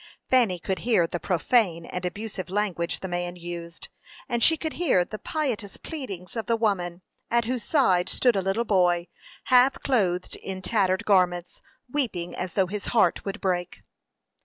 Fanny could hear the profane and abusive language the man used, and she could hear the piteous pleadings of the woman, at whose side stood a little boy, half clothed in tattered garments, weeping as though his heart would break.